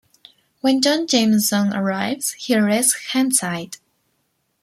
When John Jameson arrives, he arrests Hindsight.